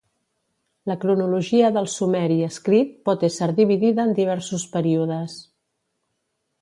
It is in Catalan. La cronologia del sumeri escrit pot ésser dividida en diversos períodes.